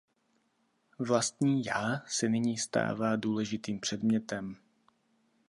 Vlastní Já se nyní stává důležitým předmětem.